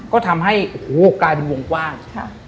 ก็ทำให้โอ้โหกลายเป็นวงกว้าง